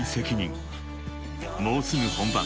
［もうすぐ本番。